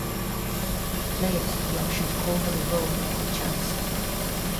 Players have the options to call what they roll or call chance.